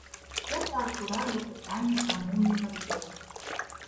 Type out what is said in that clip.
Гэта акурат да пытання пра моўныя бар'еры.